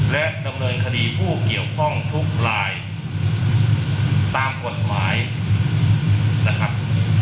และดำเนินคดีผู้เกี่ยวข้องทุกรายตามกฎหมายนะครับ